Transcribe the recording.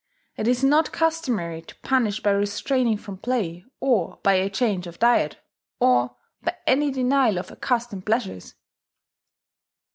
It is not customary to punish by restraining from play, or by a change of diet, or by any denial of accustomed pleasures.